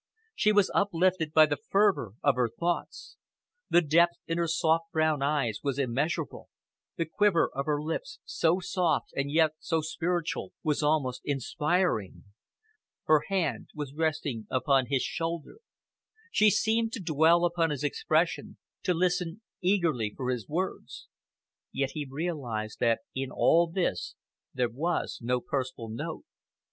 She was uplifted by the fervour of her thoughts. The depth in her soft brown eyes was immeasurable; the quiver of her lips, so soft and yet so spiritual, was almost inspiring. Her hand was resting upon his shoulder. She seemed to dwell upon his expression, to listen eagerly for his words. Yet he realised that in all this there was no personal note.